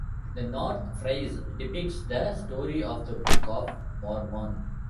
The north frieze depicts the story of the "Book of Mormon".